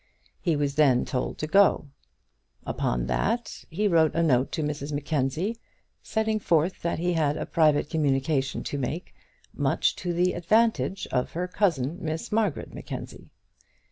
He was then told to go. Upon that he wrote a note to Mrs Mackenzie, setting forth that he had a private communication to make, much to the advantage of her cousin, Miss Margaret Mackenzie.